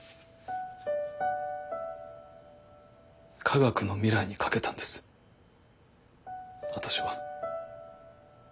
科学の未来にかけたんです私は。